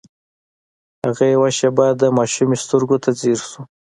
هغه يوه شېبه د ماشومې سترګو ته ځير شو.